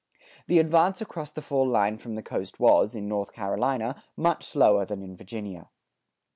The advance across the fall line from the coast was, in North Carolina, much slower than in Virginia.